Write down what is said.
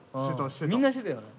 みんなしてたよね。